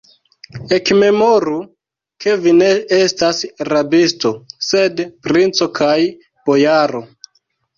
Ekmemoru, ke vi ne estas rabisto, sed princo kaj bojaro!